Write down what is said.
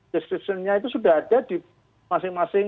description nya itu sudah ada di masing masing